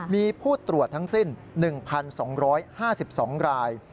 มีผู้ตรวจทั้งสิ้น๑๒๕๒ราย